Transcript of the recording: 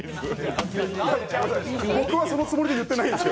僕はそのつもりで言ってないです。